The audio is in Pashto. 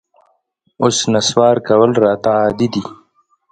اوس نسوار کول راته عادي دي